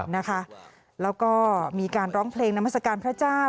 แล้วก็มีการร้องเพลงนามัศกาลพระเจ้า